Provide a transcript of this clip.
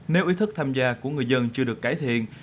nếu ý thức tham gia của người dân chưa được cải thiện